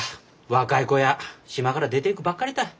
若い子や島から出ていくばっかりたい。